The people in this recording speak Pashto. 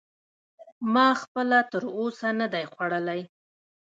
ما خپله تر اوسه نه دی خوړلی.